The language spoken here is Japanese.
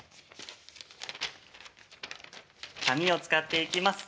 紙を使っていきます。